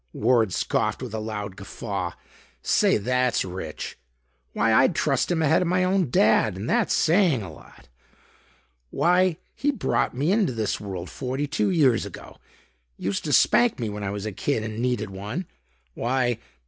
Ward scoffed with a loud guffaw. "Say, that's rich. Why, I'd trust him ahead of my own Dad and that's saying a lot. Why he brought me into this world forty two years ago. Used to spank me when I was a kid and needed one. Why...."